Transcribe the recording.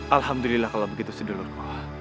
alhamdulillah kalau begitu sedulurku